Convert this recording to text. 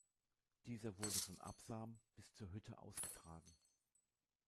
Dieser wurde von Absam bis zur Hütte ausgetragen.